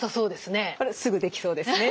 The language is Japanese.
すぐできそうですね。